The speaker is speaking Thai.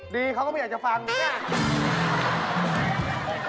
ดีเขาก็ไม่อยากจะฟังกูเนี่ย